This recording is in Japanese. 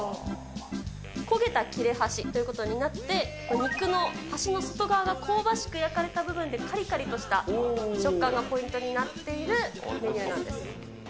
焦げた切れ端ということになって、肉の端の外側が香ばしく焼かれた部分で、かりかりとした食感がポイントになっているメニューなんです。